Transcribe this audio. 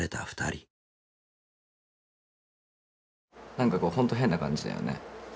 何かこうほんと変な感じだよね。